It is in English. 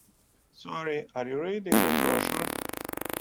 Sorry, are you reading that brochure?